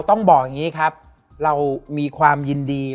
และวันนี้แขกรับเชิญที่จะมาเชิญที่จะมาเชิญที่เรา